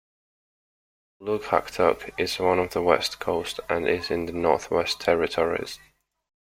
Ulukhaktok is on the west coast and is in the Northwest Territories.